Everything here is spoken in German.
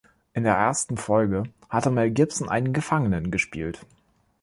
In der ersten Folge hat Mel Gibson einen Gefangenen gespielt.